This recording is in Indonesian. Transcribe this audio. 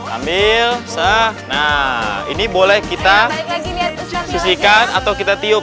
ambil sah nah ini boleh kita sisihkan atau kita tiup